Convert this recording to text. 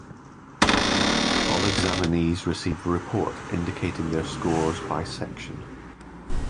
All examinees receive a report indicating their scores by section.